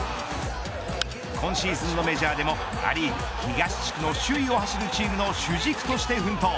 今シーズンのメジャーでもア・リーグ東地区の首位を走るチームの主軸として奮闘。